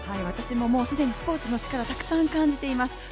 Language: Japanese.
私ももう既に、スポーツの力を感じています。